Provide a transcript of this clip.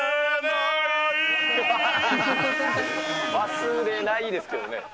忘れないですけどね。